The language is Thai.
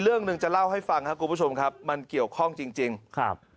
เรื่องหนึ่งจะเล่าให้ฟังครับคุณผู้ชมครับมันเกี่ยวข้องจริงจริงครับ